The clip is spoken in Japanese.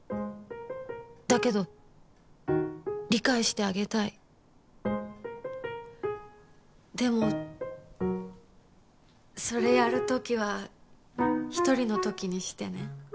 だけど理解してあげたいでもそれやる時は１人の時にしてね。